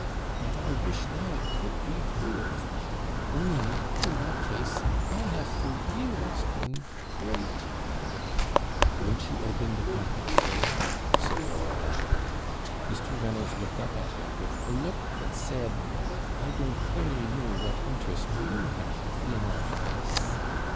'Yet I wish now it could be proved only, in that case, I have for years done great ' 'Won't you open the packet, sir?' said Lord Colambre. Mr. Reynolds looked up at him with a look that said, 'I don't clearly know what interest you have in all this.'